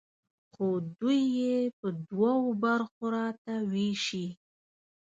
خو دوی یې په دوو برخو راته ویشي.